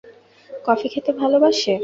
Coffee খেতে ভালবাসে।